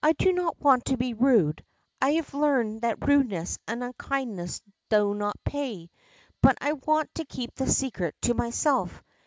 H do not want to be mde, I have learned that rudeness and unkindness do not pay, but I want to keep the secret to myself.